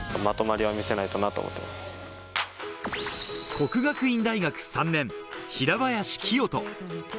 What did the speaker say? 國學院大學３年・平林清澄。